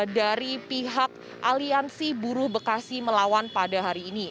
dari pihak aliansi buruh bekasi melawan pada hari ini